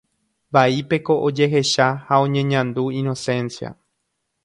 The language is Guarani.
Vaípeko ojehecha ha oñeñandu Inocencia.